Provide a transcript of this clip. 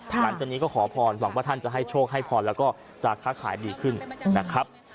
หลังจากนี้ก็ขอพรหวังว่าท่านจะให้โชคให้พรแล้วก็จะค้าขายดีขึ้นนะครับ